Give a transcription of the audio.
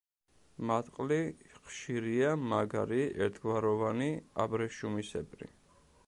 მატყლი ხშირია, მაგარი, ერთგვაროვანი, აბრეშუმისებრი.